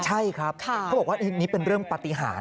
ใช่ครับเขาบอกว่านี่เป็นเรื่องปฏิหาร